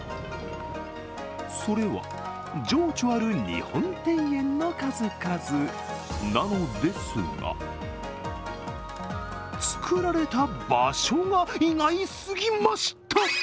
それは、情緒ある日本庭園の数々なのですが作られた場所が意外すぎました！